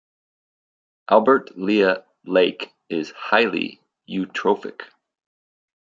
Albert Lea Lake is highly eutrophic.